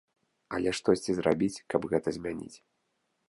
Але штосьці зрабіць, каб гэта змяніць?